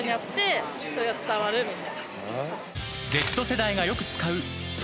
［Ｚ世代がよく使う］